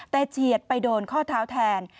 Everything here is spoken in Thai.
แต่เฉียดไปโดนข้อเท้าแทน